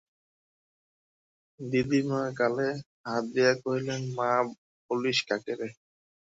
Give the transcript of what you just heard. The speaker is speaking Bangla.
দিদিমা গালে হাত দিয়া কহিলেন, মা বলিস কাকে রে!